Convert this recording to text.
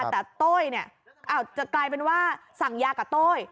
แต่โต้ยเนี่ยอาจจะกลายเป็นว่าสั่งยากับโต้ย